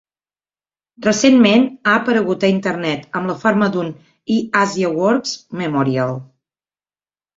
Recentment ha aparegut a internet amb la forma d'un iAsiaWorks Memorial.